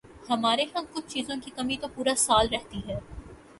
ہمارے ہاں کچھ چیزوں کی کمی تو پورا سال رہتی ہے۔